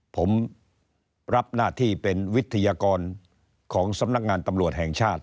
ผมรับหน้าที่เป็นวิทยากรของสำนักงานตำรวจแห่งชาติ